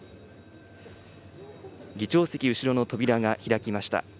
議長席後ろの扉が開きました。